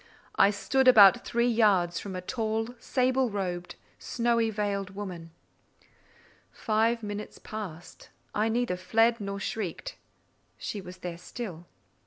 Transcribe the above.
I stood about three yards from a tall, sable robed, snowy veiled woman. Five minutes passed. I neither fled nor shrieked. She was there still.